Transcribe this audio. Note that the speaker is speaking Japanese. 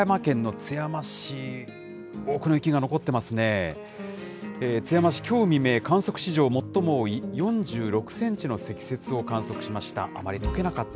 津山市、きょう未明、観測史上最も多い４６センチの積雪を観測しました。